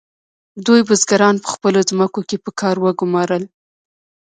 دوی بزګران په خپلو ځمکو کې په کار وګمارل.